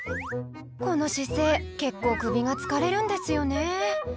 この姿勢結構首が疲れるんですよね。